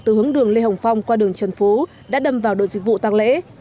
từ hướng đường lê hồng phong qua đường trần phú đã đâm vào đội dịch vụ tăng lễ